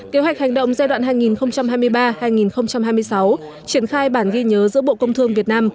kế hoạch hành động giai đoạn hai nghìn hai mươi ba hai nghìn hai mươi sáu triển khai bản ghi nhớ giữa bộ công thương việt nam